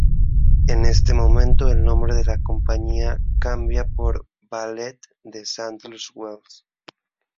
En este momento el nombre de la compañía cambia por Ballet del Sadler's Wells.